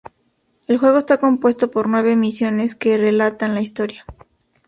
El juego está compuesto por nueve misiones que relatan la historia.